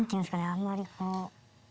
あんまりこう。